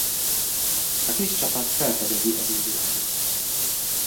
A kis csapat felfedezi az új világot.